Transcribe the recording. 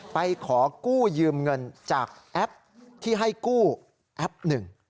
ไปขอกู้ยืมเงินจากแอปที่ให้กู้แอปหนึ่ง